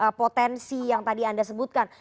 karena potensi yang tadi anda sebutkan